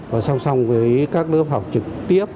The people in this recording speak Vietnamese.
và song song với các lớp học trực tiếp